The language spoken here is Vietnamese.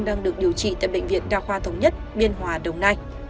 đang được điều trị tại bệnh viện đa khoa thống nhất biên hòa đồng nai